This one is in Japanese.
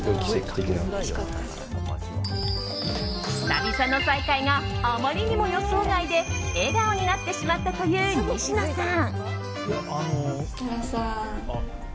久々の再会があまりにも予想外で笑顔になってしまったという西野さん。